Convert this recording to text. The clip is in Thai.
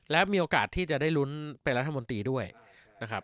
และมีโอกาสที่จะได้ลุ้นเป็นรัฐมนตรีด้วยนะครับ